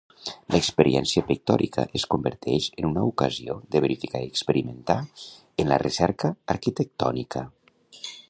L'experiència pictòrica es converteix en una ocasió de verificar i experimentar en la recerca arquitectònica.